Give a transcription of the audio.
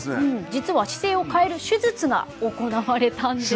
実は姿勢を変える手術が行われたんです。